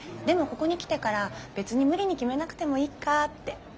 でもここに来てから別に無理に決めなくてもいいかって。